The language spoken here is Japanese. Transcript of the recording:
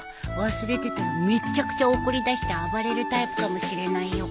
忘れてたらめっちゃくちゃ怒りだして暴れるタイプかもしれないよ